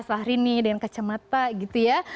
fahrini dengan kacamata gitu ya